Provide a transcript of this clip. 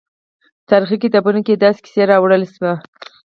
تاریخي کتابونو کې داسې کیسې راوړل شوي.